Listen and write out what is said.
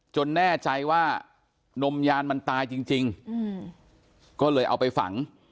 แน่ใจว่านมยานมันตายจริงก็เลยเอาไปฝัง